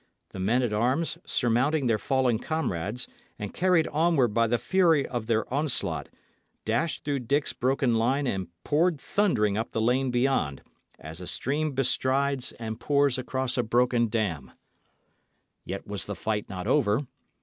The men at arms, surmounting their fallen comrades, and carried onward by the fury of their onslaught, dashed through Dick's broken line and poured thundering up the lane beyond, as a stream bestrides and pours across a broken dam. Yet was the fight not over.